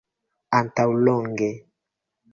Antaŭ longe.